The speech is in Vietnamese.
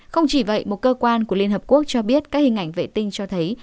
không chỉ vậy một cơ quan của liên hợp quốc cho biết các hình ảnh vệ tinh cho thấy